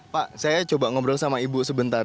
pak saya coba ngobrol sama ibu sebentar